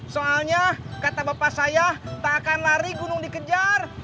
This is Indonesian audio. soalnya kata bapak saya tak akan lari gunung dikejar